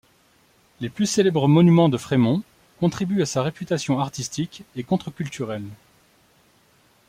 Les plus célèbres monuments de Fremont contribuent à sa réputation artistique et contre-culturelle.